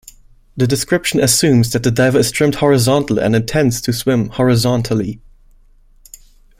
The description assumes that the diver is trimmed horizontal and intents to swim horizontally.